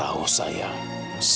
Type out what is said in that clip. bapak bisa cekakum itu